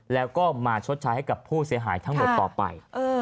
แล้วก็มาชดใช้ให้กับผู้เสียหายทั้งหมดต่อไป